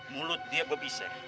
mulut dia bebisa